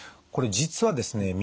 これ実はですね